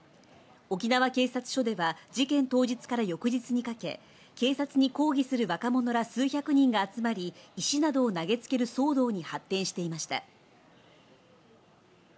沖縄警察署では事件当日から翌日にかけ警察に抗議する若者ら数百人が集まり石などを投げつける騒動に発展していました。